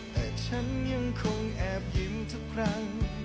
แต่ฉันยังคงแอบยิ้มทุกครั้ง